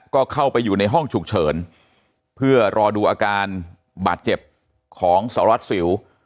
ก็เข้าไปอยู่ในห้องฉุกเฉินเพื่อรอดูอาการบาดเจ็บของสารวัตรสิว